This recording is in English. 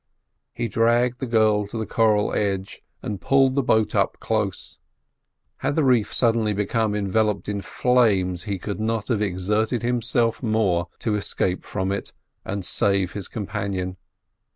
He dragged the girl to the coral edge, and pulled the boat up close. Had the reef suddenly become enveloped in flames he could not have exerted himself more to escape from it and save his companion.